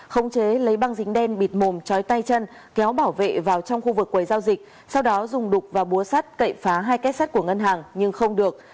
khống chế lấy băng dính đen bịt mồm trói tay chân kéo bảo vệ vào trong khu vực quầy giao dịch sau đó dùng đục và búa sắt cậy phá hai kết sắt của ngân hàng nhưng không được